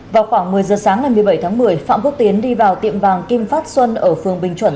vào khoảng một mươi giờ sáng ngày một mươi bảy tháng một mươi phạm quốc tiến đi vào tiệm vàng kim phát xuân ở phường bình chuẩn